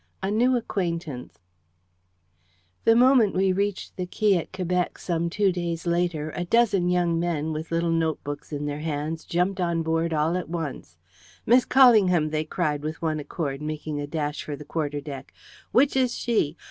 A NEW ACQUAINTANCE The moment we reached the quay at Quebec, some two days later, a dozen young men, with little notebooks in their hands, jumped on board all at once. "Miss Callingham!" they cried with one accord, making a dash for the quarter deck. "Which is she?